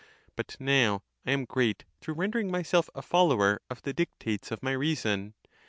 But now lam ereat through rendering myself a follower of the dictates of my reason.